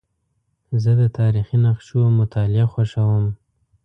زه د تاریخي نقشو مطالعه خوښوم.